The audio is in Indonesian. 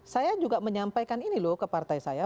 saya juga menyampaikan ini loh ke partai saya